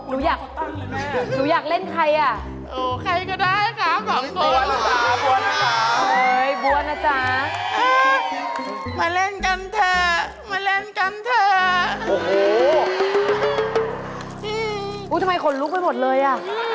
ทำไมขนลุกไปหมดเลยอ่ะ